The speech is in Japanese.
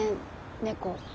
猫。